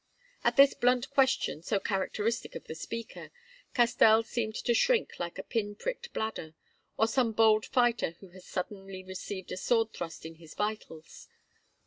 At this blunt question, so characteristic of the speaker, Castell seemed to shrink like a pin pricked bladder, or some bold fighter who has suddenly received a sword thrust in his vitals.